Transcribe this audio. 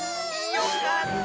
よかった！